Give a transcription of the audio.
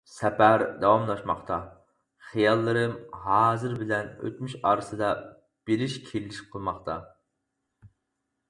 سەپەر داۋاملاشماقتا، خىياللىرىم ھازىر بىلەن ئۆتمۈش ئارىسىدا بېرىش-كېلىش قىلماقتا.